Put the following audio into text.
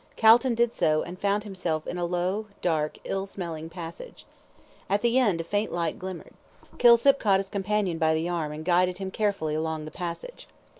Calton did so, and found himself in a low, dark, ill smelling passage. At the end a faint light glimmered. Kilsip caught his companion by the arm and guided him carefully along the passage.